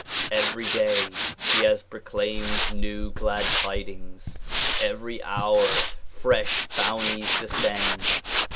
Every day he has proclaimed new glad tidings. Every hour fresh bounties descend.